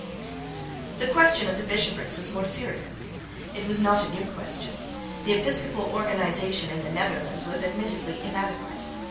The question of the bishoprics was more serious. It was not a new question. The episcopal organisation in the Netherlands was admittedly inadequate.